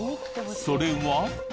それは。